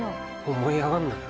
思い上がんなよ